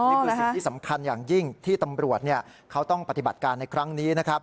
นี่คือสิ่งที่สำคัญอย่างยิ่งที่ตำรวจเขาต้องปฏิบัติการในครั้งนี้นะครับ